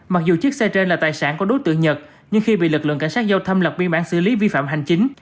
mặc dù chiếc xe trên là tài sản của đối tượng nhật nhưng khi bị lực lượng cảnh sát giao thông lập biên bản xử lý vi phạm hành chính